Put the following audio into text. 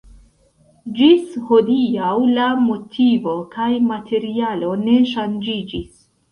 Ĝis hodiaŭ la motivo kaj materialo ne ŝanĝiĝis.